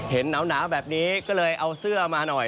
เห็นน้๓น้าแบบนี้ก็เลยเอาเสื้อมาหน่อย